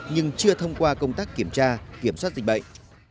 nhưng chưa thông qua công tác kiểm tra kiểm soát dịch bệnh